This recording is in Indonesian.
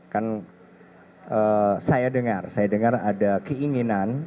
kan saya dengar ada keinginan